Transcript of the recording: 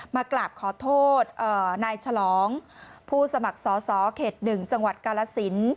มากราบขอโทษนายฉลองผู้สมัครสอสอเขต๑จังหวัดกาลสิน